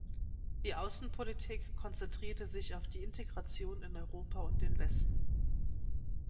Die Außenpolitik konzentrierte sich auf die Integration in Europa und den Westen.